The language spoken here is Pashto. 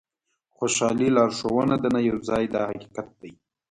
خوشالي لارښوونه ده نه یو ځای دا حقیقت دی.